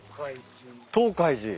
東海寺。